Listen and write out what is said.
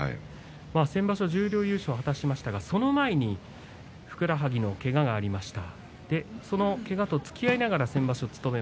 先場所十両優勝を果たしましたがその前にふくらはぎのけががありました。